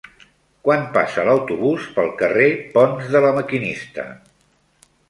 Quan passa l'autobús pel carrer Ponts de La Maquinista?